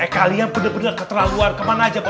eh kalian bener bener keterlaluan kemana aja